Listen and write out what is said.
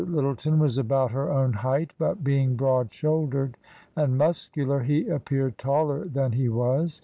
Lyttleton was about her own height, but being broad shouldered and muscular he appeared taller than he was.